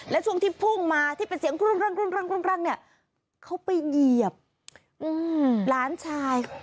และช่วงที่พุ่งมาที่เป็นเสียงกรุ่งเนี่ยเขาไปเหยียบหลานชาย